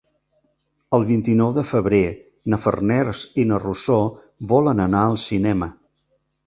El vint-i-nou de febrer na Farners i na Rosó volen anar al cinema.